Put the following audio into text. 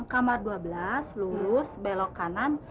kamar dua belas lulus belok kanan